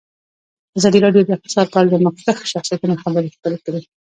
ازادي راډیو د اقتصاد په اړه د مخکښو شخصیتونو خبرې خپرې کړي.